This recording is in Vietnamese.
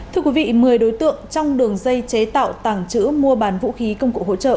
thưa quý vị một mươi đối tượng trong đường dây chế tạo tàng trữ mua bán vũ khí công cụ hỗ trợ